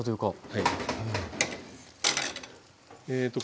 はい。